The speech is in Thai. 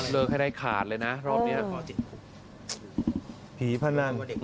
เลิกให้ได้ขาดเลยนะรอบนี้นะขอจริง